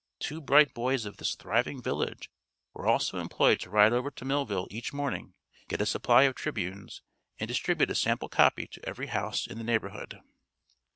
Two bright boys of this thriving village were also employed to ride over to Millville each morning, get a supply of Tribunes and distribute a sample copy to every house in the neighborhood.